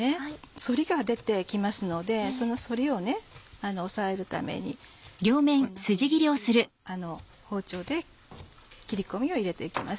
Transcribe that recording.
反りが出てきますのでその反りを抑えるためにこんなふうに包丁で切り込みを入れていきます。